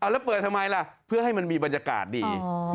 แล้วเปิดทำไมล่ะเพื่อให้มันมีบรรยากาศดี